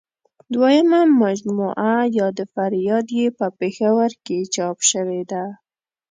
دویمه مجموعه یاد فریاد یې په پېښور کې چاپ شوې ده.